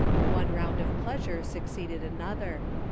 One round of pleasure sulcceeded another.